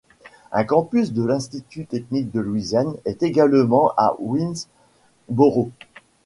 Un campus de l'institut technique de Louisiane est également à Winnsboro.